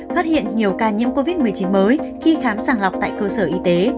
phát hiện nhiều ca nhiễm covid một mươi chín mới khi khám sàng lọc tại cơ sở y tế